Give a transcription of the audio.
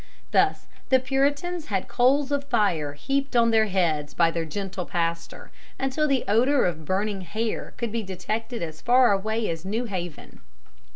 Thus the Puritans had coals of fire heaped on their heads by their gentle pastor, until the odor of burning hair could be detected as far away as New Haven.